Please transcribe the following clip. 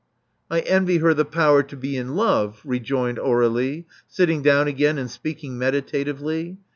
'*! envy her the power to be in love," rejoined Aur^lie, sitting down again, and speaking meditatively.